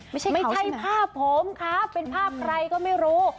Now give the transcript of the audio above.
ไม่ใช่ผ้าผมครับเป็นผ้าใครก็ไม่รู้